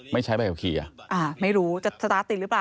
ไม่ใช้ใบขับขี่ยัง